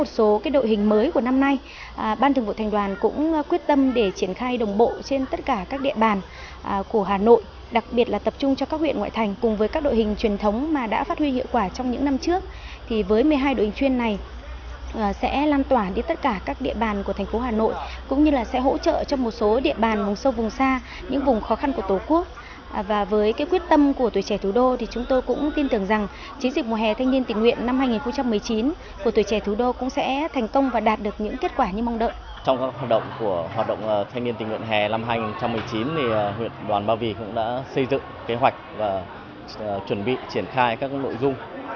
thì huyện đoàn ba vì cũng đã xây dựng kế hoạch và chuẩn bị triển khai các nội dung